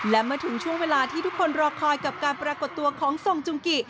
และเมื่อถึงช่วงเวลาที่ทุกคนรอคอยกับการปรากฏตัวของทรงจุงกิ